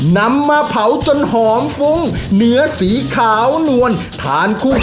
นำมาเผาจนหอมฟุ้งเนื้อสีขาวนวลทานคู่